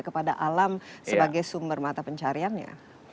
kepada alam sebagai sumber mata pencariannya